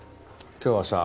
今日はさ